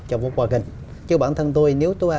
cho volkswagen chứ bản thân tôi nếu